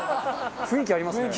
雰囲気ありますね。